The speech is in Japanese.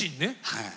はい。